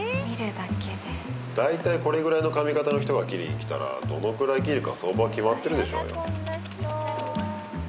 だいたいこれぐらいの髪形の人が切りに来たらどのくらい切るか相場は決まってるでしょうよ。